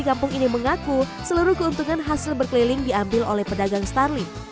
kampung ini mengaku seluruh keuntungan hasil berkeliling diambil oleh pedagang starling